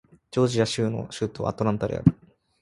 ジョージア州の州都はアトランタである